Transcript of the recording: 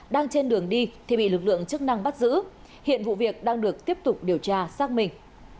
đang trên đường đi thì bị lực lượng chức năng bắt giữ hiện vụ việc đang được tiếp tục điều tra xác minh